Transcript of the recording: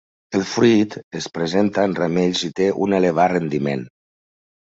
El fruit es presenta en ramells i té un elevat rendiment.